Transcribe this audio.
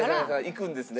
いくんですね。